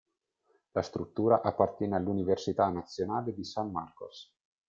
La struttura appartiene all'Università Nazionale di San Marcos.